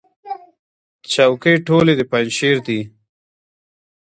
چوکۍ ټولې د پنجشیر دي.